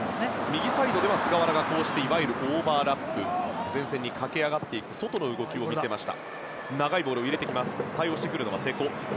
右サイドでは菅原がいわゆるオーバーラップ前線に駆け上がっていく外の動きを見せました。